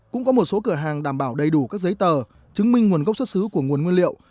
cũng có một số cửa hàng đảm bảo đầy đủ các giấy tờ chứng minh nguồn gốc xuất xứ của nguồn nguyên liệu